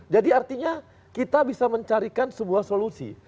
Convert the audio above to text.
jadi artinya kita bisa mencarikan sebuah solusi